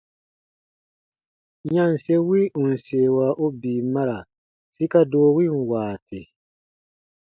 Yanse wi ù n seewa u bii mara sika doo win waati.